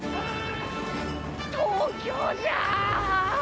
東京じゃ！